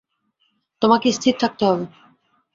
তোমাকে স্থির থাকতে হবে।